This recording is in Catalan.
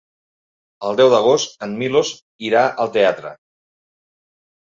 El deu d'agost en Milos irà al teatre.